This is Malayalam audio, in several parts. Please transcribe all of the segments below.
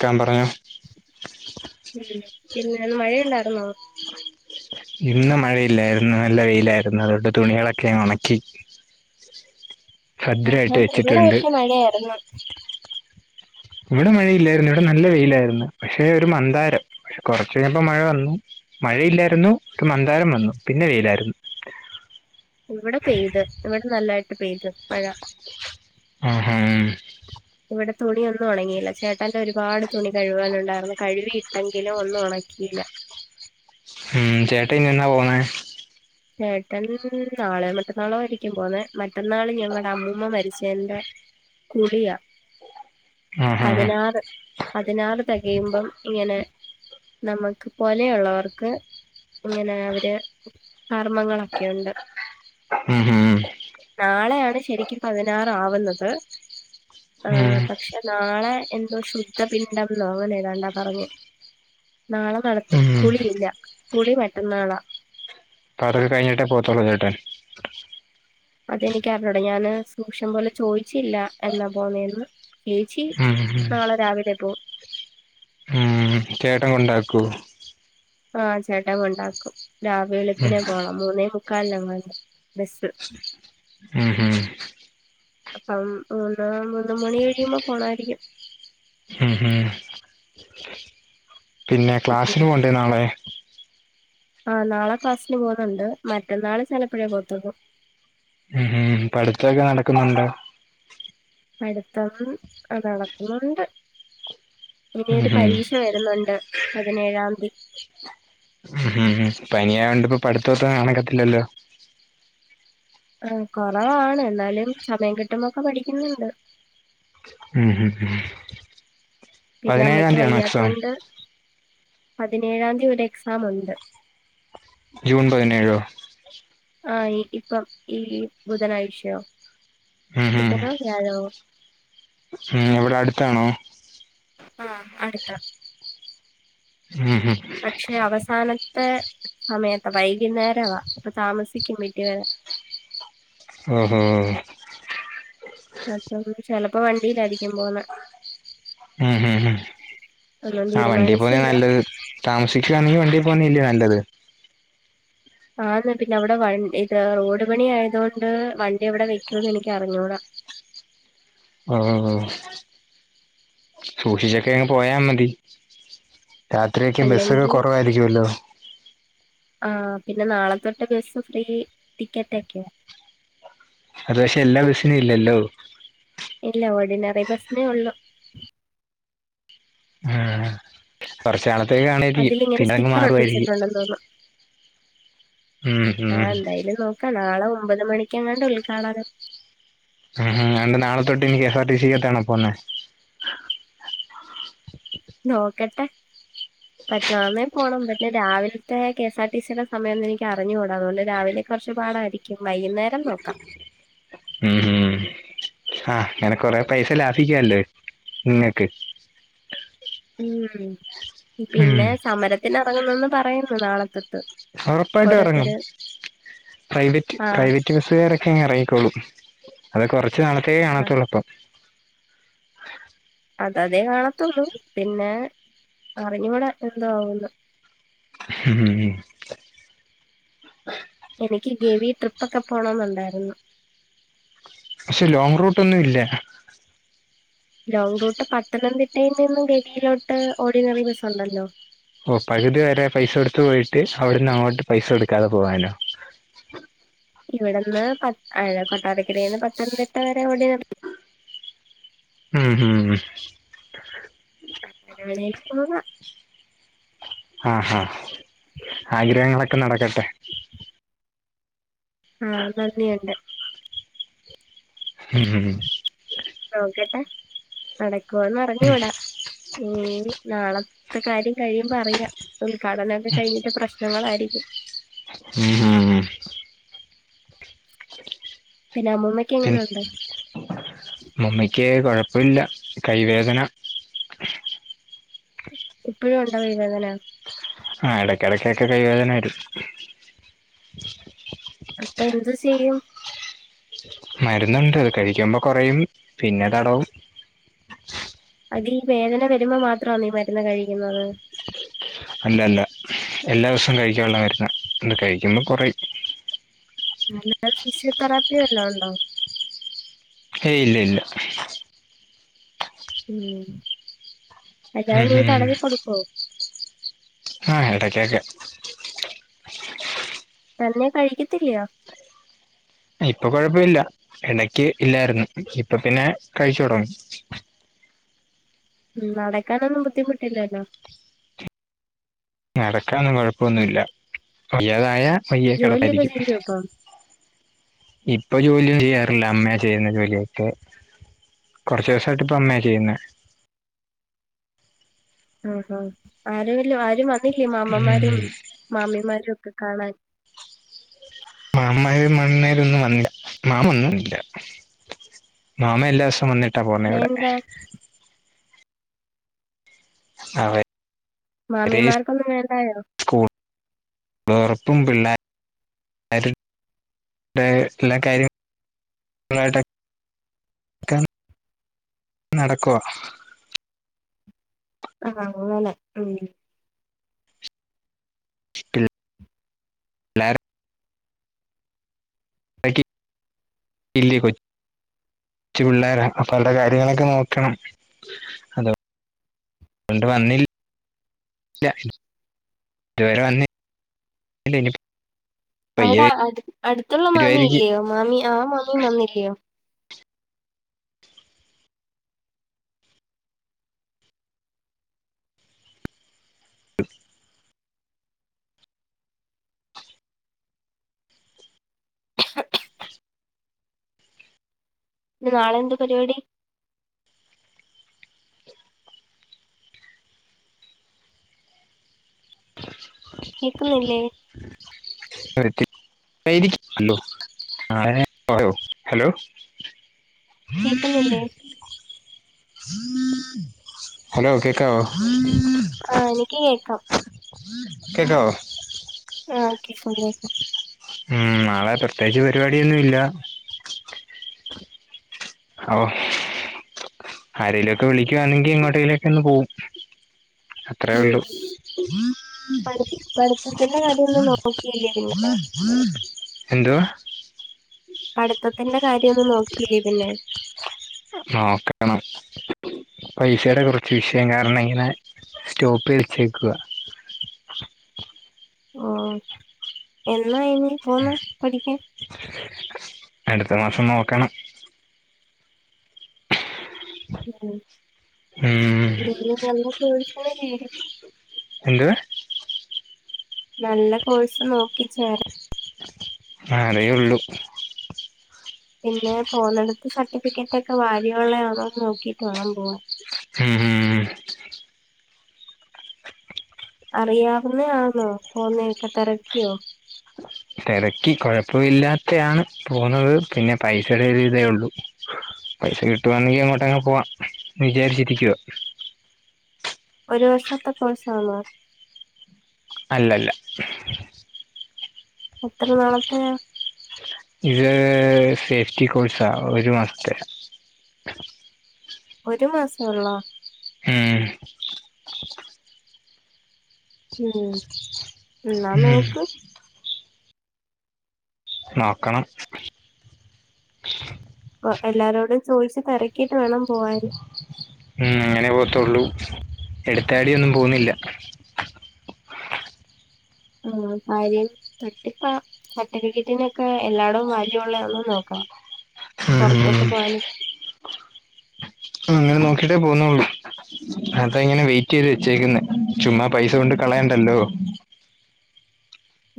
ക്കൻ പറയാ ഉം പിന്നെ മഴയുണ്ടായിരുന്നോ ഇന്ന് മഴയില്ലായിരുന്നു നല്ല വെയിലായിരുന്നു അതുകൊണ്ട് തുണികളൊക്കെ ഉണക്കി ആ ഭദ്രമായിട്ട് എവിടെ വെച്ചിട്ടുണ്ട് പക്ഷേ മഴയായിരുന്നു ഇവിടെ മഴയില്ലായിരുന്നു ഇവിടെ നല്ല വെയിലായിരുന്നു പക്ഷെ ഒരു മന്താരം പക്ഷെ കൊറച്ചു കഴിഞ്ഞപ്പോ മഴ വന്നു മഴയില്ലായിരുന്നു ഒരു മന്താരം വന്നു പിന്നെ വെയിലായിരുന്നു ഇവിടെ പെയ്ത് ഇവിടെ നല്ലായിട്ട് പെയ്തു മഴ ആഹാ ഇവിടെ തുണിയ ഒന്നും ഉണങ്ങിയില്ല ചേട്ടാൻന്റെ ഒരുപാട് തുണി കഴിവാനുണ്ടായിരുന്ന കഴവിയിട്ടെങ്കിലും ഒന്നും ഉണക്കിയില്ല ഉം ചേട്ട എനിയന്നാ പോണേ ചേട്ടൻ നാളെ മറ്റന്നാള ആയിരിക്കും പോന്നെ മറ്റന്നാള് ഞങ്ങളുടെ അമ്മൂമ്മ മരിച്ചന്റെ കുളിയാ ആഹാ പതിനാറ് പതിനാറ് തകയുമ്പം ഇങ്ങനെ നമുക്ക് പോലെയുള്ളവർക്ക് ഇങ്ങനെ അവര് കർമ്മങ്ങളൊക്കെയുണ്ട് ഉം ഉം നാളെയാണ് ശരിക്കും പതിനാറ ആവുന്നത് ആ ഉം പക്ഷെ നാളെ എന്തോ ശുദ്ധ പിിണ്ടന്നോ അങ്ങനെ ഏതാണ്ടാ പറഞ്ഞെ നാളെ നടത്തും ഉം കുളിയില്ല കുളി മറ്റന്നാളാ പടവ് കഴിഞ്ഞട്ട പോത്തലോ ചേട്ടൻ അതെനിക്ക് അറിഞ്ഞുട ഞാന് സൂക്ഷം പോലെ ചോദിച്ചില്ല എന്നാ പോണേന്ന്. ഏച്ചി ഉം ഉം നാളെ രാവിലെ പോവും. ഉം ചേട്ടൻ കൊണ്ടാക്കോ? ഉം ആഹ് ചേട്ടൻ കൊണ്ടാക്കും രാവിലെ ഉം വെളുപ്പിനെ പോണം മൂന്നേ [unintelligible] ബസ്സ് ഉം ഉം അം മൂന്ന് മണി കഴിയുമ്പോ പോണായിരിക്കും. ഉം ഉം പിന്നെ ഉം ക്ലാസ്സിന് പോണ്ടേ നാളെ ആഹ് നാളെ ക്ലാസ്സ്ന് പോവുന്നുണ്ട് മറ്റന്നാള് ചിലപ്പഴേ പോവത്തൊള്ളൂ. ഉം ഹം പഠിത്തൊക്കെ നടക്കുന്നുണ്ടോ? പഠിത്തം ആ നടക്കുന്നുണ്ട് ഇനി ഉം ഒരു ഉം പരീക്ഷ വ രുന്നുണ്ട് പതിനേഴാംതി. ഹ് ഉംം പനി ആയോണ്ട് ഇപ്പോ പഠിത്തൊന്നും നടക്കത്തില്ലല്ലോ ഉം കുറവാണ് എന്നാലും സമയം കിട്ടുമ്പോൊക്കെ പഠിക്കുന്നുണ്ട്. ഹു ഉം. പിന്നെ പതിനേഴാം അമ്മയ്ക്ക് തീയതി ആണോ എക്സാം വയ്യാത്തൊണ്ട് പതിനേഴാം തീയതി ഒരു എക്സാം ഉണ്ട് ജൂൺ പതിനേഴോ. ആഹ് ഇപ്പം ഈ ബുധനാഴ്ചയോ ഹു ഹും ബുധനോ വ്യാഴവോ ഉം അവിടെ അ ടുത്താണോ. ആഹ അടുത്ത. ഹു ഉം. പക്ഷെ അവസാനത്തെ സമയത്ത വൈകുന്നേരവാ ഇപ്പൊ താമസിക്കും വീട്ടി വരാൻ. അ ഹാ ഹാ ഹ. അപ്പം ചിലപ്പോ വണ്ടിയിലയിരിക്കും പോവുന്നെ. ഉം ഹ് ഹ ഒന്നും ആഹ് വണ്ടി പോവുന്ന തീരുമാനിച്ചില്ല നല്ലത്. താമസിക്കുകവാണെങ്കിൽ വണ്ടിൽ പോവുന്നേല്ലിയോ നല്ലത്. ആന്ന് പിന്നെ അവിടെ വ ഇത് റോഡ് പണി ആയത് കൊണ്ട് വണ്ടി അവിടെ വെക്കുംന്ന് എനിക്ക് അറിഞ്ഞുടാ ആമ് സൂക്ഷിച്ചൊക്കെങ്ങ് പോയാ മതി രാത്രിയൊക്കെ ബസ് അല്ലെങ്കി കുറവായിരിക്കുമല്ലോ. ആ പിന്നെ നാളെ തൊട്ട് ബസ് ഫ്രീ ടിക്കറ്റ് ഒക്കെ അത് പക്ഷെ എല്ലാ ബസിനും ഇല്ലല്ലോ? ഇല്ല ഓർഡിനറി ബസിനേ ഒള്ളു. ഹ് ഉം കുറച്ച് നാളത്തേക്ക് കാണുമായിരിക്കും. അതിലിങ്ങനെ പിന്നങ്ങ് സ്റ്റിക്കർ മാറുവായിരിക്കും. [unintelligible] ഉം ആഹ ഉം എന്തായാലും നോക്കാം നാളെ ഒമ്പത് മണിക്കെങ്ങാണ്ട് ഉദ്ഘാടനം. ഹും ഹും രണ്ട് നാളത്തൊട്ട് കെ എസ് ആർ ടി സിക്ക്റ്റെണോ പോവുന്നെ. നോക്കട്ടെ. പറ്റുവാന്നെ പോണം പിന്നെ രാവിലത്തെ കെ എസ് ആർ ടി സിയുടെ സമയം ഒന്നും എനിക്ക് അറിഞ്ഞു കൂടാ അതുകൊണ്ട് രാവിലെ കൊറച്ച് പാടായിരിക്കും. വൈകുന്നേരം നോക്കാം. ഉം ഹം ആഹ് അങ്ങനെ കൊറെ പൈസ ലാഭിക്കല്ലോ നിങ്ങക്ക്. ഉം ഉം പിന്നെ സമരത്തിന് ഇറങ്ങുന്നന്ന് പറയുന്നു നാളെത്തൊ ഉറപ്പായിട്ട് ഇറങ്ങും പ്രൈവറ്റ് ആ പ്രൈവറ്റ്. മറ്റ് ബസ്സുകാരൊക്കെ ഇങ്ങ് ഇറങ്ങിക്കോളൂഠ അത് കുറച്ച് നാളത്തേ ആ കാണത്തുള്ളൂപ്പൊ. അത് അതേ കാണത്തുള്ളൂ പിന്നെ അറിഞ്ഞു കൂട്ടാ എന്തോ ആവുന്ന്. [unintelligible] എനിക്ക് ഗവി ട്രിപ്പൊക്കെ പോണന്നുണ്ടായിരുന്നു. പക്ഷെ ലോങ് റൂട്ടൊന്നും ഇല്ലെ. ലൗറൂട്ട് പത്തനംതിട്ടയിൽ നിന്നും ഗവിയിലോട്ട് ഓർഡിനറി ബസ് ഉണ്ടല്ലാ. ഓ പകുതി വരെ പൈസ കൊടുത്ത് പോയിട്ട് അവിടുന്ന് അങ്ങോട്ട് പൈസ കൊടുക്കാതെ പോവാനോ? ഇവിടെന്ന് പ കൊട്ടാരക്കരെന്ന് പത്തനംതിട്ട വരെ ഓട ഉം ഉം അങ്ങനെ വേണേലും പോവാ ആഹ് ആഹ് ആഗ്രഹങ്ങളൊക്കെ നടക്കട്ടെ ആഹ് നന്ദിയുണ്ട് ഉം ഉം നോക്കട്ടെ നടക്കുവോന്ന് അറിഞ്ഞൂടാ ഉം നാളത്തെ കാര്യം കഴിയുമ്പോ അറിയാം ഉദ്ഘാടനൊക്കെ കഴിഞ്ഞിട്ട് പ്രശ്നങ്ങളായിരിക്കും. [unintelligible] പിന്നെ അമ്മൂമ്മയ്ക്ക് എങ്ങനെ ഉണ്ട്. അമ്മമ്മയ്ക്ക് കുഴപ്പില്ല കൈവേദന. ഇപ്പഴും ഉണ്ടോ കൈ വേദന. ആഹ് എടയ്ക്കിടക്കൊക്കെ കൈ വേദന വരും. അപ്പൊ എന്തു ചെയ്യും. മരുന്നുണ്ട് അത് കഴിക്കുമ്പോ കുറയും പിന്നെ തടവും. അതി വേദന വരുമ്പോ മാത്രന്നൊ ഈ മരുന്ന് കഴിക്കുന്നത്. അല്ലല്ല എല്ലാ ദിവസവും കഴിക്കാനുള്ള മരുന്ന അത് കഴിക്കുമ്പോ കുറയും. ഫിസിയോ തെറാപ്പി വല്ലതും ഉണ്ടോ? ഏയ്‌ ഇല്ല ഇല്ല. ഉം വല്ലാതെ ഉം നീ തടവി കൊടുക്കോ? [inaudible] ആഹ് എടക്കൊക്കെ. തന്നെ കഴിക്കത്തില്ലെയോ. ഇപ്പൊ കൊഴപ്പമില്ല ഇടക്ക് ഇല്ലായിരുന്നു ഇപ്പൊ പിന്നെ കഴിച്ചു തുടങ്ങി. ഉം നടക്കാനൊന്നും ബുദ്ധിമുട്ടില്ലല്ലോ? നടക്കാനൊന്നും കൊഴപ്പൊന്നുല്ല വയ്യാതായ വയ്യെ ജോലിയൊക്കെ കിടത്താരിക്കും. ചെയ്യോ ഇപ്പം ഇപ്പൊ ജോലിയൊന്നും ചെയ്യാറില്ല അമ്മയ ചെയ്യുന്നെ ജോലിയൊക്കെ കുറച്ച് ദിവസായിട്ട് ഇപ്പൊ അമ്മയ ചെയ്യുന്നെ. ആഹ് ആഹ് ആരേലും ആരും വന്നില്ലേ മാമമ്മാരും ഉം മാമ്മിമാരും ഒക്കെ കാണാൻ. മാമമ്മാര്. മാമ ഒന്നും ഇല്ല മാമ എല്ലാസോം വന്നിട്ട്. അയെന്താ അവൻ മാമിമാർക്കൊന്നും വേണ്ടയോ? സ്കൂൾ തൊറപ്പും പിള്ളേ ര് [unintelligible] നടക്കുവ ആഹ് അങ്ങനെ ഉം ഇ [inaudible] [unintelligible] ച്ചു പിള്ളേര അപ്പൊ അവരുടെ കാര്യങ്ങളൊക്കെ നോക്കണം. അതോണ്ട് വന്നിൽ. ല്യ ഇതുവരെ വന്നില്ല ഇനി പയ്യെ അവിടെ അ അടുത്തുള്ള മാമി വരുവായിരിക്കും ഇല്ലയോ മാമി ആ മാമിയും വന്നില്ലയോ? [inaudible] ഇനി നാളെ എന്ത് പരിപടി [inaudible] കേക്കുന്നില്ലേ? [inaudible] [unintelligible] [unintelligible] ആ ഹലോ [inaudible] കേക്കുന്നില്ലേ ഹലോ കേക്കാവോ? ആഹ് എനിക്ക് കേക്കാം. കേക്കാവോ? ആ ഓക്കെ കുംലൊ ഉം നാളെ പ്രത്യേകിച്ച് പരിപാടിയൊന്നും ഇല്ല അ വൊ ആരേലൊക്കെ വിളിക്കുവാന്നെങ്കിൽ എങ്ങോട്ടേലൊക്ക ഒന്ന് പോവും അത്രേ ഉം ഉള്ളൂ പഠി പഠിത്തത്തിന്റെ കാര്യൊന്നും നോക്കിയില്ലെ പിന്നെ എന്തോ പഠിത്തത്തിന്റെ കാര്യം ഒന്നും നോക്കിയില്ലേ പിന്നെ നോക്ക ട്ട് ണം പൈഷേടെ കുറച്ച് വിഷയം കാരണം ഇങ്ങനെ സ്റ്റോപ്പ് വച്ചേക്കുവാ ഓ എന്നാ ഇനി പോവ്ന്നേ പഠിക്കാൻ അടുത്ത മാസം നോക്കണം ഉം ഉം എന്തേലും നല്ല കോഴ്സെ [unintelligible] എന്ത് നല്ല കോഴ്സ് നോക്കിച്ചേരാ ആറേയൊള്ളു പിന്നെ പോന്നിടത്ത് സർട്ടിഫിക്കറ്റ് ഒക്കെ വാല്യൂയുള്ളതാണോന്ന് നോക്കിട്ട് വേണം പോവാൻ ശരി അറിയാവുന്നേ ആന്നോ പോന്നേക്കെ തെരക്കിയോ തെരക്കി കുഴപ്പമില്ലാത്തെയാണ് പോകുന്നത് പിന്നെ പൈസയുടെ ഒരു ഇതേ ഉള്ളൂ പൈസ കിട്ടുവാണെങ്കിഅങ്ങോട്ട് അങ്ങ് പോവാന്ന് വിചാരിച്ചിരിക്കുവ ഒരു വർഷത്തെ കോഴ്സാണോ അല്ലല്ല എത്ര നാളത്തെയാ ഇത് സേഫ്റ്റി കോഴ്സാ ഒരു മാസത്തെ ഒരു മാസ ഒള്ളോ ഉം ഉം ന്നാ ഉം നോക്ക് നോക്കണം എല്ലാരോടും ചോദിച്ച് തെരക്കിയിട്ട് വേണം പോവാൻ ഉം അങ്ങനെ പോവത്തുള്ളു എടുത്താടിയൊന്നും പോവ്ന്നില്ല ഉം ആരേം തട്ടിപ്പാ സർട്ടിഫിക്കറ്റിനൊക്കെ എല്ലാടും വാല്യൂള്ളാന്നും നോക്കണം പൊറത്തോട്ട് ഉം പോവാന് അങ്ങനെ നോക്കീട്ടെ പോന്നൊള്ളു അതയിങ്ങനെ വെയിറ്റ് ചെയ്ത് വെച്ചേക്കുന്ന ചുമ്മാ പൈസ കൊണ്ട് കളയണ്ടല്ലോ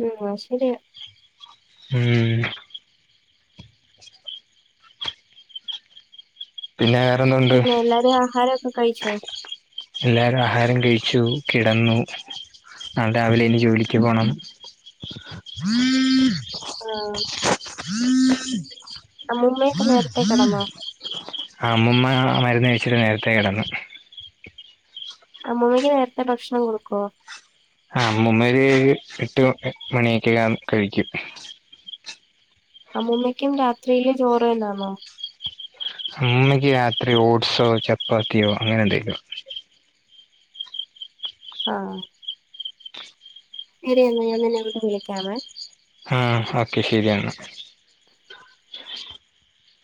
ഉം അയ് ശരിയാ ഉം പിന്നെ വേറെന്തോ പിന്നെ എല്ലാരും ആഹാരൊക്കെ കഴിച്ചോ എല്ലാരും ആഹാരം കഴിച്ചു കിടന്നു നാളെ രാവിലെ ഇനി ജോലിക്ക് പോണം ആഹ് അമ്മുമ്മയൊക്കെ നേരത്തെ കെടന്നോ ആഹ് അമ്മൂമ്മ മരുന്ന് കഴിച്ചിട്ട് നേരത്തെ കെടന്നു അമ്മൂമ്മയ്ക്ക് നേരത്തെ ഭക്ഷണം കൊടുക്കോ ആഹ് അമ്മുമ്മ ഒര് എട്ട് ഓക്കേ മണിയൊക്കകവുമ്പോ കഴിക്കും അമ്മൂമ്മയ്ക്കും രാത്രിയില് ചോറ് തന്നാണോ അമ്മൂമയ്ക്ക് രാത്രി ഓട്സോ ചപ്പാത്തിയോ അങ്ങനെ എന്തെലും ആഹ് ശരിയെന്നാ ഞാൻ നിന്നെ അങ്ങോട്ട് വിളിക്കാവെ ഉം ഓക്കെ ശരിയന്നാ